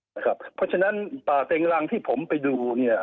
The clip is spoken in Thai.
เพราะฉะนั้นป่าเต็งรังที่ผมไปดูเนี่ย